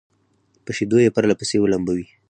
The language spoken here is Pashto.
په شيدو يې پرله پسې ولمبوي